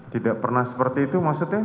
tidak pernah seperti itu maksudnya